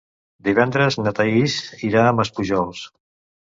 Divendres na Thaís irà a Maspujols.